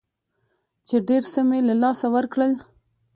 چې ډېر څه مې له لاسه ورکړل.